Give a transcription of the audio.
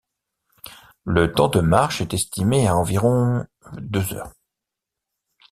Le temps de marche est estimé à environ deux heures.